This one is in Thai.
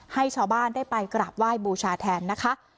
ให้ชาวบ้านได้ไปกราบไหว้บูชาแทนนะคะ